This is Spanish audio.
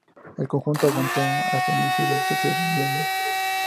El conjunto aguantó hasta inicios del tercer milenio.